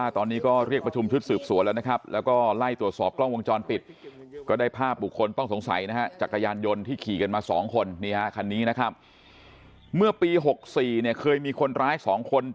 ที่ขี่กันมา๒คนคันนี้นะครับเมื่อปี๖๔เนี่ยเคยมีคนร้าย๒คน